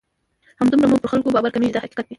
همدومره مو پر خلکو باور کمیږي دا حقیقت دی.